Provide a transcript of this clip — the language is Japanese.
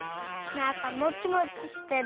なんかもちもちしてる。